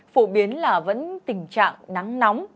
phổ biến là vẫn tình trạng nắng nóng